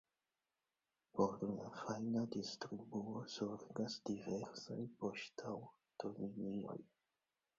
Por la fajna distribuo zorgas diversaj poŝtaŭtolinioj.